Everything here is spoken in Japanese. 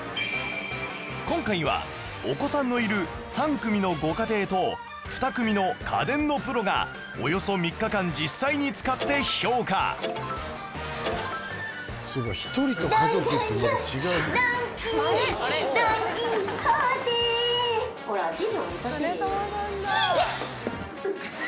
今回はお子さんのいる３組のご家庭と２組の家電のプロがおよそ３日間実際に使って評価かねともさんだ。